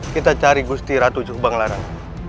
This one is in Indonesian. kita cari gusti ratu jubanglarang